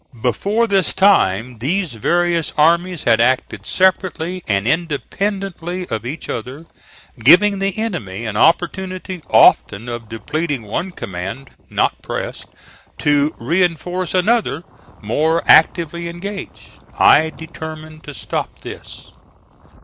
Before this time these various armies had acted separately and independently of each other, giving the enemy an opportunity often of depleting one command, not pressed, to reinforce another more actively engaged. I determined to stop this.